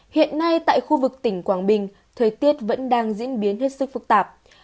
hiện nay tại khu vực tỉnh quảng bình thời tiết vẫn đang diễn biến hết sức phức tạp